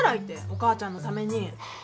お母ちゃんのために。